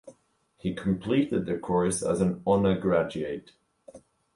He completed the course as an Honor Graduate.